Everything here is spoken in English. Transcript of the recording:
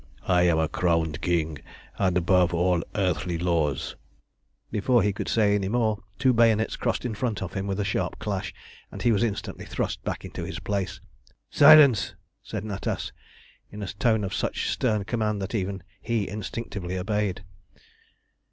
I am a crowned King, and above all earthly laws" Before he could say any more two bayonets crossed in front of him with a sharp clash, and he was instantly thrust back into his place. "Silence!" said Natas, in a tone of such stern command that even he instinctively obeyed.